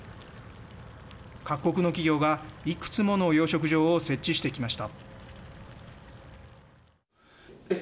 各国の企業がいくつもの養殖場を設置してきました。